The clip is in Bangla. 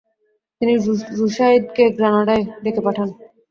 তিনি রুশায়দকে গ্রানাদায় ডেকে পাঠান।